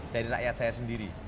dari rakyat saya sendiri